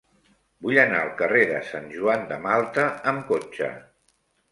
Vull anar al carrer de Sant Joan de Malta amb cotxe.